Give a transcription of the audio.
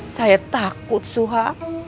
saya takut suha